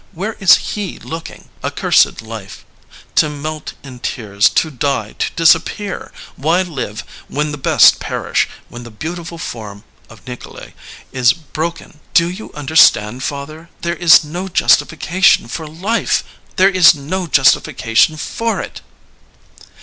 Where is He looking? Accursed life I To melt in tears, to die, to dis appear! Why live when the best perish, when the beautiful form [of Nikolay] is broken I Do you un derstandy father? There is no justification for life! There is no justification for it